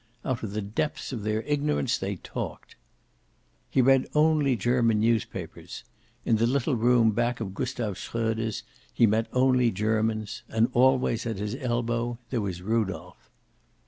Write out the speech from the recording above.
Out of the depths of their ignorance they talked. He read only German newspapers. In the little room back of Gustav Shroeder's he met only Germans. And always, at his elbow, there was Rudolph.